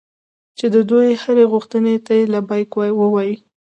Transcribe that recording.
چې د دوی هرې غوښتنې ته لبیک ووایي.